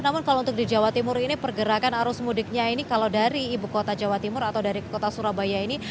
namun kalau untuk di jawa timur ini pergerakan arus mudiknya ini kalau dari ibu kota jawa timur atau dari kota surabaya ini